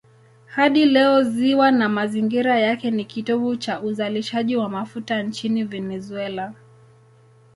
Hadi leo ziwa na mazingira yake ni kitovu cha uzalishaji wa mafuta nchini Venezuela.